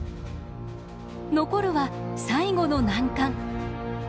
残るは最後の難関。